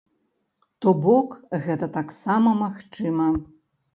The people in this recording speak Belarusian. То бок гэта таксама магчыма.